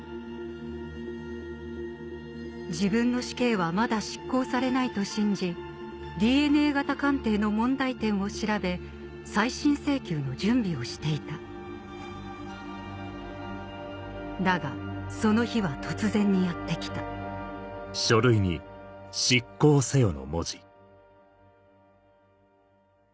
自分の死刑はまだ執行されないと信じＤＮＡ型鑑定の問題点を調べ再審請求の準備をしていただがその日は突然にやって来た本日高塩正裕。